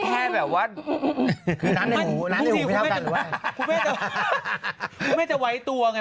แค่แบบว่าคือน้ำในหูน้ำในหูคุณแม่จะคุณแม่จะไว้ตัวไง